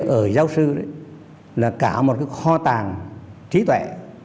ở giáo sư là cả một kho tàng trí tuệ